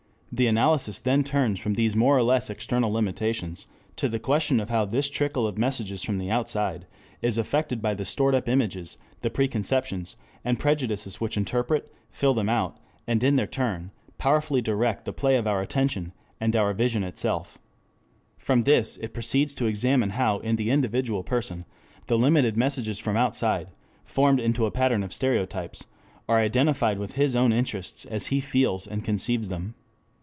The analysis then turns from these more or less external limitations to the question of how this trickle of messages from the outside is affected by the stored up images, the preconceptions, and prejudices which interpret, fill them out, and in their turn powerfully direct the play of our attention, and our vision itself. From this it proceeds to examine how in the individual person the limited messages from outside, formed into a pattern of stereotypes, are identified with his own interests as he feels and conceives them.